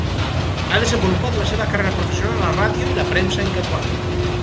Ha desenvolupat la seva carrera professional a la ràdio i la premsa en català.